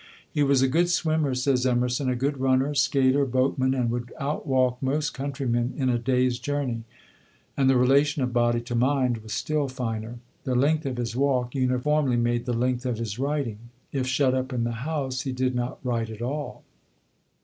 "He was a good swimmer," says Emerson, "a good runner, skater, boatman, and would outwalk most countrymen in a day's journey. And the relation of body to mind was still finer. The length of his walk uniformly made the length of his writing. If shut up in the house, he did not write at all."